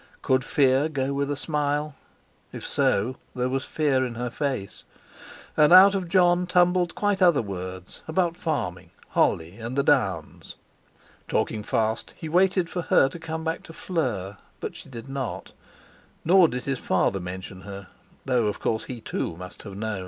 Could fear go with a smile? If so, there was fear in her face. And out of Jon tumbled quite other words, about farming, Holly, and the Downs. Talking fast, he waited for her to come back to Fleur. But she did not. Nor did his father mention her, though of course he, too, must know.